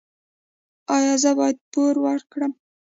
ایا زه باید پور ورکړم؟